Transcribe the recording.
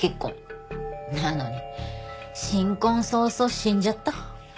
なのに新婚早々死んじゃった。